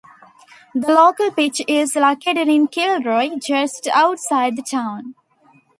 The local pitch is located in Kilroe, just outside the town.